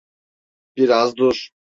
Biraz dur.